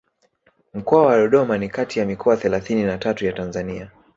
Mkoa wa Dodoma ni kati ya mikoa thelathini na tatu ya Tanzania